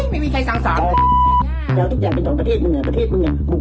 มึงไม่ได้ไม่เห็น